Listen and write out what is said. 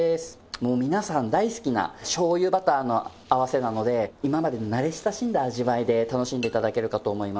もう皆さん大好きな醤油バターの合わせなので今までの慣れ親しんだ味わいで楽しんで頂けるかと思います。